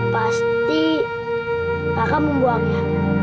pasti bakal membuangnya